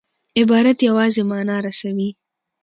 عبارت یوازي مانا رسوي.